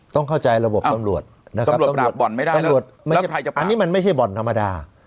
ต้องเข้าใจระบบตำรวจตำรวจปราบบ่อนไม่ได้แล้วอันนี้มันไม่ใช่บ่อนธรรมดา